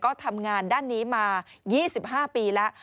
ก็ทำงานด้านนี้มา๒๕ปีแล้ว